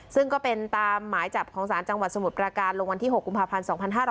ซึ่งก็เป็นตามหมายจับของศาลจังหวัดสมุทรประการลงวันที่๖กุมภาพันธ์๒๕๕๙